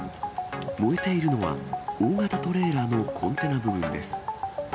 燃えているのは、大型トレーラーのコンテナ部分です。